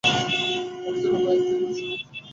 আমি ছিলাম ভাইয়ের থেকে বেশি শক্তিশালী।